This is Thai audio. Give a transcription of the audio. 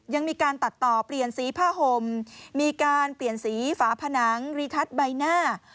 ยังมีการตัดต่อเปลี่ยนสีผ้าห่มมีการเปลี่ยนสีฝาผนังรีทัศน์ใบหน้า